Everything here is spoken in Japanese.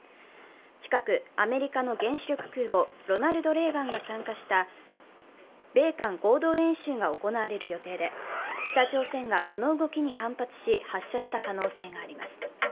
近く、アメリカの原子力空母「ロナルド・レーガン」が参加した米韓合同演習が行われる予定で北朝鮮がこの動きに反発し発射した可能性があります。